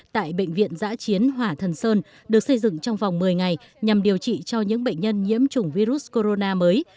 tại bệnh viện giã chiến hỏa thần sơn được xây dựng trong vòng một mươi ngày nhằm điều trị cho những bệnh nhân nhiễm chủng virus corona mới